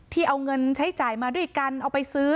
เอาเงินใช้จ่ายมาด้วยกันเอาไปซื้อ